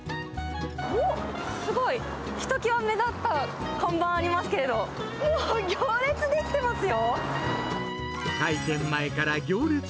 おっ、すごい、ひときわ目立った看板、ありますけれど、うわー、行列出来てますよ。